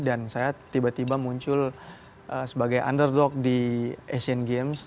dan saya tiba tiba muncul sebagai underdog di sea games